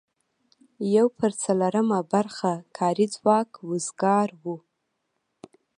یو پر څلورمه برخه کاري ځواک وزګار و.